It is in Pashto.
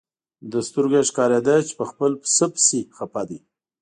له سترګو یې ښکارېده چې په خپل پسه پسې خپه دی.